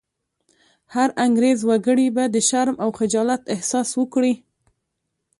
هر انګرېز وګړی به د شرم او خجالت احساس وکړي.